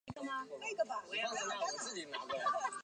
亚兹是位于美国亚利桑那州阿帕契县的一个非建制地区。